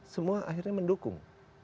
semua akhirnya mendukung